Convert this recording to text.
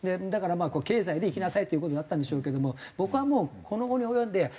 だからまあ経済でいきなさいっていう事になったんでしょうけども僕はもうこの期に及んで。